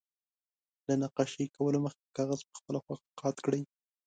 له نقاشي کولو مخکې کاغذ په خپله خوښه قات کړئ.